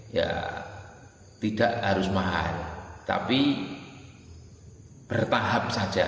ya tidak harus mahal tapi bertahap saja